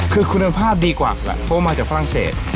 คือคุณภาพดีกว่าแหละเพราะว่ามาจากฝรั่งเศส